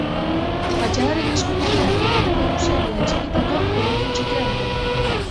Fatxadaren eskuinaldean, eraikin nagusiari atxikitako eraikin txikia dago.